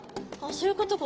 そういうことか。